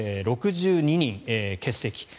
６２人、欠席。